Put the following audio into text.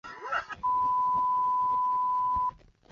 菲氏叶猴分成三个亚种